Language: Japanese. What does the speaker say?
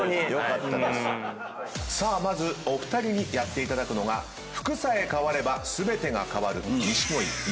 さあまずお二人にやっていただくのが服さえ変われば全てが変わる。